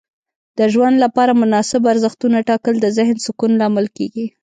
د ژوند لپاره مناسب ارزښتونه ټاکل د ذهن سکون لامل کیږي.